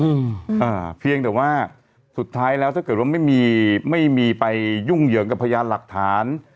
อืมอ่าเพียงแต่ว่าสุดท้ายแล้วถ้าเกิดว่าไม่มีไม่มีไปยุ่งเหยิงกับพยานหลักฐาน